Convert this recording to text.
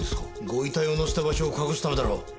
ご遺体を載せた場所を隠すためだろ。